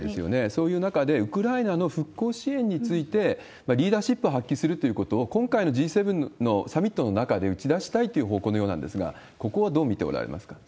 そういう中で、ウクライナの復興支援について、リーダーシップを発揮するということを、今回のＧ７のサミットの中で打ち出したいという方向のようなんですが、ここはどう見ておられますか？